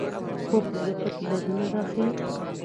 خوب د زړه پټ دردونه راښيي